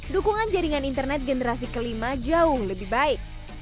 dukungan jaringan internet generasi kelima jauh lebih baik